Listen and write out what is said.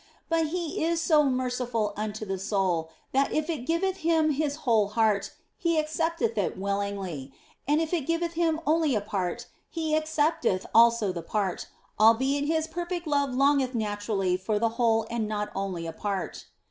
But He is so merciful unto the soul that if it OF FOLIGNO 135 giveth Him its whole heart He accepteth it willingly, and if it giveth Him only a part He accepteth also the part, albeit His perfect love longeth naturally for the whole and not only a part.